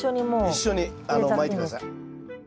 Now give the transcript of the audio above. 一緒にまいて下さい。